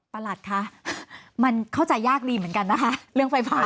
ประหลัดคะมันเข้าใจยากดีเหมือนกันนะคะเรื่องไฟฟ้า